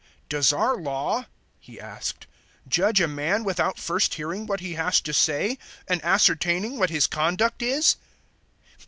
007:051 "Does our Law," he asked, "judge a man without first hearing what he has to say and ascertaining what his conduct is?"